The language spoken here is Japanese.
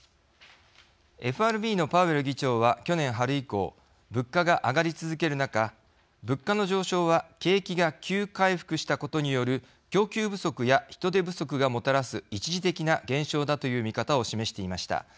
ＦＲＢのパウエル議長は去年春以降物価が上がり続ける中「物価の上昇は景気が急回復したことによる供給不足や人手不足がもたらす一時的な現象だ」という見方を示していました。